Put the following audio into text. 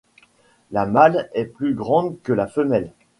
La mâle est plus grand que la femelle.